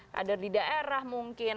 kader di daerah mungkin